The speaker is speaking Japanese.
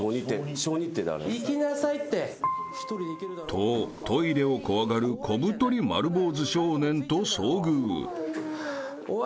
［とトイレを怖がる小太り丸坊主少年と遭遇］